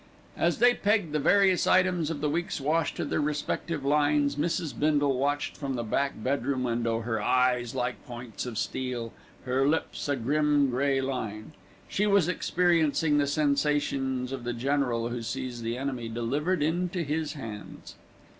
As they pegged the various items of the week's wash to their respective lines, Mrs. Bindle watched from the back bedroom window, her eyes like points of steel, her lips a grim grey line. She was experiencing the sensations of the general who sees the enemy delivered into his hands.